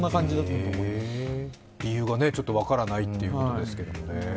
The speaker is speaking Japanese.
理由が分からないということですけどもね。